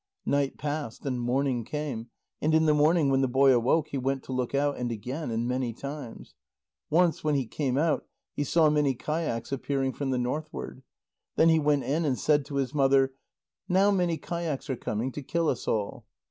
Night passed and morning came. And in the morning when the boy awoke, he went to look out, and again, and many times. Once when he came out he saw many kayaks appearing from the northward. Then he went in and said to his mother: "Now many kayaks are coming, to kill us all."